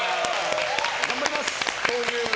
頑張ります！